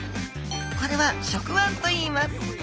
これは触腕といいます。